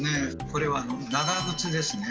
これは「長靴」ですね。